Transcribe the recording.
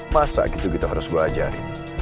masa gitu kita harus belajarin